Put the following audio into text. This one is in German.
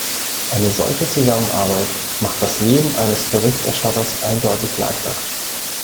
Eine solche Zusammenarbeit macht das Leben eines Berichterstatters eindeutig leichter.